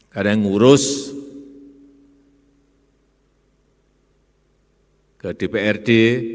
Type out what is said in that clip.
karena yang ngurus ke dprd